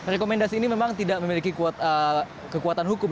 rekomendasi ini memang tidak memiliki kekuatan hukum